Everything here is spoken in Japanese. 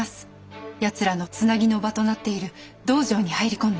奴らのつなぎの場となっている道場に入り込んで。